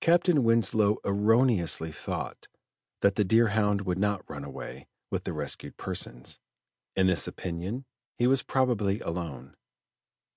Captain Winslow erroneously thought that the Deerhound would not run away with the rescued persons: in this opinion he was probably alone.